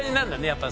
やっぱ。